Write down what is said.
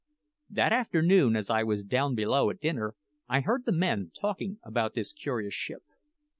That afternoon, as I was down below at dinner, I heard the men talking about this curious ship.